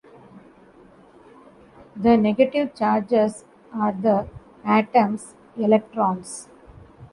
The negative charges are the atoms' electrons.